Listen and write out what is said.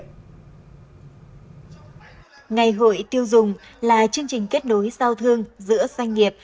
ngày hội tiêu dùng là chương trình kết nối giao thương giữa doanh nghiệp